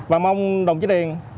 và mong đồng chí điền